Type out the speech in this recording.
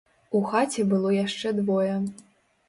У хаце было яшчэ двое.